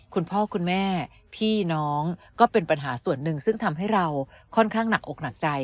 คุณพ่อคุณแม่พี่น้องก็เป็นปัญหาส่วนหนึ่งซึ่งทำให้เราค่อนข้างหนักอกหนักใจ